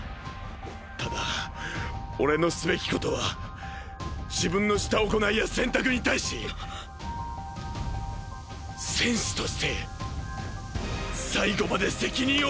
ただ俺のすべきことは自分のした行いや選択に対し戦士として最後まで責任を果たすことだ。